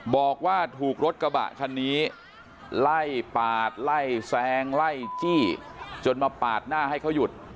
บอกว่าถูกรถกระบะคันนี้ไล่ปาดไล่แซงไล่จี้จนมาปาดหน้าให้เขาหยุด